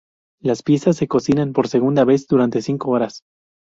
Las piezas se cocinan por segunda vez durante cinco horas.